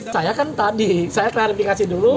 saya kan tadi saya klarifikasi dulu